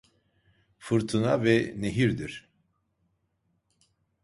Fırtına ve nehirdir.